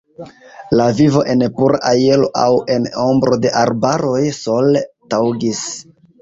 La vivo en pura aero aŭ en ombro de arbaroj sole taŭgis.